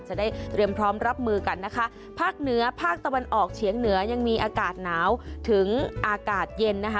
จะได้เตรียมพร้อมรับมือกันนะคะภาคเหนือภาคตะวันออกเฉียงเหนือยังมีอากาศหนาวถึงอากาศเย็นนะคะ